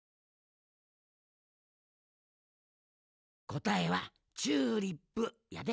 こたえはチューリップやで。